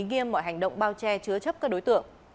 nghiêm mọi hành động bao che chứa chấp các đối tượng